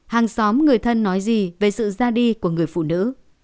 hàng xóm người thân nói gì về sự ra đi của người phụ nữ